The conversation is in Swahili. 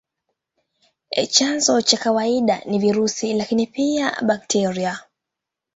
Chanzo cha kawaida ni virusi, lakini pia bakteria.